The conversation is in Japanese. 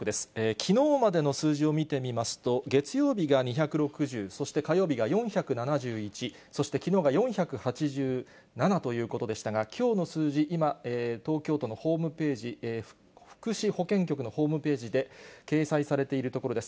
きのうまでの数字を見てみますと、月曜日が２６０、そして火曜日が４７１、そしてきのうが４８７ということでしたが、きょうの数字、今、東京都のホームページ、福祉保健局のホームページで掲載されているところです。